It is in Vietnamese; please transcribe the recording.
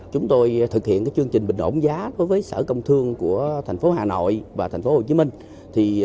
chúng tôi thực hiện chương trình bình ổn giá đối với sở công thương của thành phố hà nội và thành phố hồ chí minh